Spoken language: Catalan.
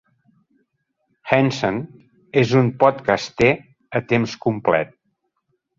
Henson és un podcaster a temps complet.